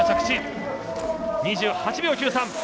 ２８秒９３。